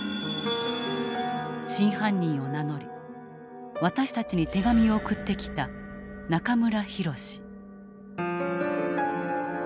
真犯人を名乗り私たちに手紙を送ってきた中村泰。